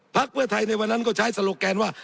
เพื่อไทยในวันนั้นก็ใช้สโลแกนว่า